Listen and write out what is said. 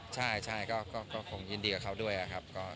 ใช่ก็คงยินดีกับเขาด้วยครับ